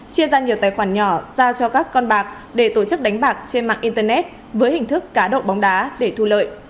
chia ra nhiều tài khoản nhỏ giao cho các con bạc để tổ chức đánh bạc trên mạng internet với hình thức cá độ bóng đá để thu lợi